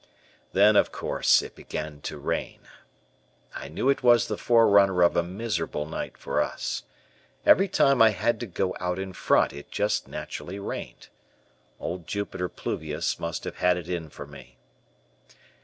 Then, of course, it began to rain. I knew it was the forerunner of a miserable night for us. Every time I had to go out in front, it just naturally rained. Old Jupiter Pluvius must have had it in for me.